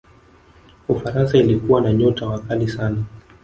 ufaransa ilikuwa na nyota wakali sana